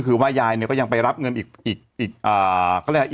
คือว่ายายก็ยังไปรับเงินอีกอันหนึ่ง